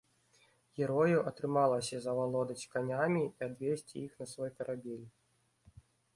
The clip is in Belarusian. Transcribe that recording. Герою атрымалася завалодаць канямі і адвесці іх на свой карабель.